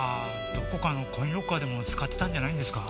どこかのコインロッカーでも使ってたんじゃないんですか？